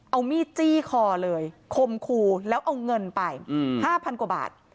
เอามีดจี้คอเลยคมคูแล้วเอาเงินไป๕๐๐กว่าบาท